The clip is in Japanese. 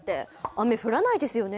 雨降らないですよね。